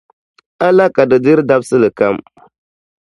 A la ka di diri dabisili kam?